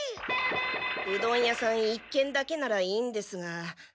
うどん屋さん１けんだけならいいんですが。